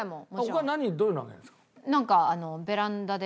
他に何どういうの上げるんですか？